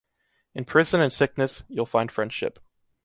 In prison and sickness, you’ll find friendship.